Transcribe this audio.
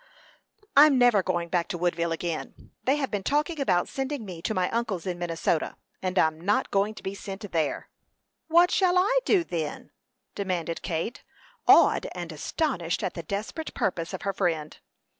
"I'm never going back to Woodville again. They have been talking about sending me to my uncle's, in Minnesota, and I'm not going to be sent there." "What shall I do, then?" demanded Kate, awed and astonished at the desperate purpose of her friend.